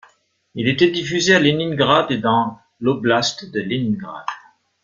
Il était diffusé à Léningrad et dans l'oblast de Léningrad.